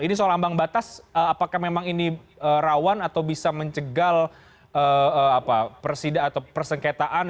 ini soal ambang batas apakah memang ini rawan atau bisa mencegal atau persengketaan